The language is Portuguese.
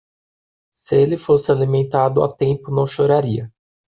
Se ele fosse alimentado a tempo, não choraria.